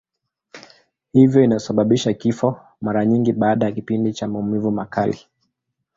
Hivyo inasababisha kifo, mara nyingi baada ya kipindi cha maumivu makali.